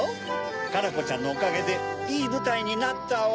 カラコちゃんのおかげでいいぶたいになったわ。